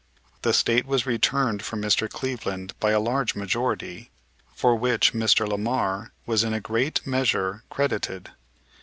The State was returned for Mr. Cleveland by a large majority, for which Mr. Lamar was in a great measure credited.